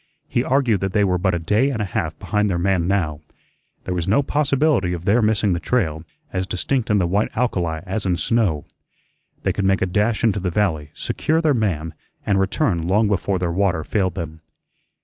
He argued that they were but a day and a half behind their man now. There was no possibility of their missing the trail as distinct in the white alkali as in snow. They could make a dash into the valley, secure their man, and return long before their water failed them.